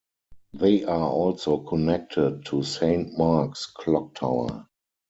They are also connected to Saint Mark's Clocktower.